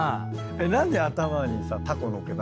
何で頭にさタコのっけた？